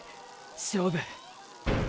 勝負。